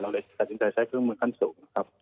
เลยตัดสินใจใช้เครื่องมือขั้นสูงนะครับ